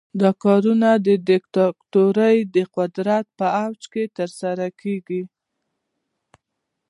دا کارونه د دیکتاتورۍ د قدرت په اوج کې ترسره کیږي.